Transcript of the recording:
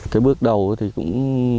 cái bước đầu thì cũng